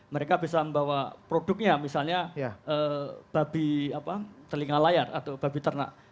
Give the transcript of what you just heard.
mereka bisa membawa produknya misalnya babi telinga layar atau babi ternak